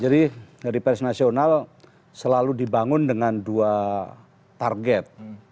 jadi hari pers nasional selalu dibangun dengan dua target